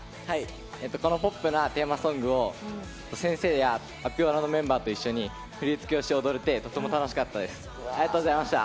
ポップなテーマソングを先生やアピオラのメンバーと一緒に振り付けして踊れてとても楽しかったです。